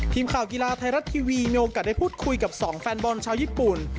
ทีมข่าวกีฬาไทยรัฐทีวีมีโอกาสได้พูดคุยกับสองแฟนบอลชาวญี่ปุ่น